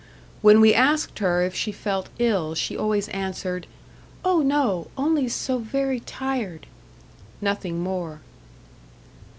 When we asked her if she felt ill, she always answered, "Oh, no! only so very tired." Nothing more.